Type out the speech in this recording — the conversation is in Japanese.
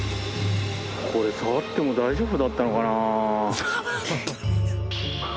これ触っても大丈夫だったのかなあ。